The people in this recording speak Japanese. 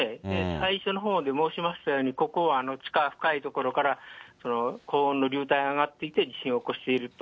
最初のほうで申しましたように、ここは地下深い所から、高温の流体が上がってきて地震を起こしていると。